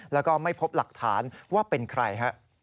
แล้วก็ไม่พบหลักฐานว่าเป็นใครฮะ